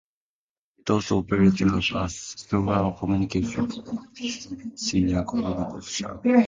It also operates a secure communications system for senior government officials.